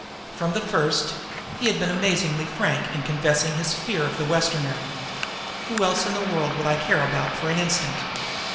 From the first he had been amazingly frank in confessing his fear of the Westerner. "Who else in the world would I care about for an instant?